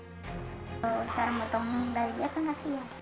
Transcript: cara menutupnya dari dia kan nggak sih ya